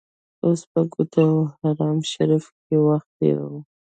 اوس په کوټه او حرم شریف کې وخت تیروو.